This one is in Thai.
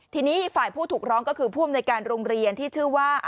ทีนี้ฝ่ายผู้ถูกร้องก็คือผู้อำนวยการโรงเรียนที่ชื่อว่า